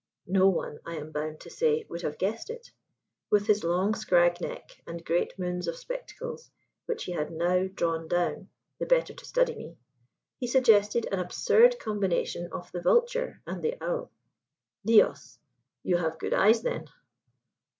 No one, I am bound to say, would have guessed it. With his long scrag neck and great moons of spectacles, which he had now drawn down, the better to study me, he suggested an absurd combination of the vulture and the owl. "Dios! You have good eyes, then."